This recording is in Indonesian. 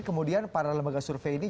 kemudian para lembaga survei ini